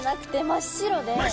真っ白で！